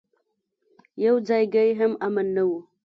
يو ځايګى هم امن نه و.